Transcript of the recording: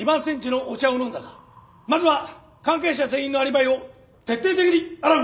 まずは関係者全員のアリバイを徹底的に洗う！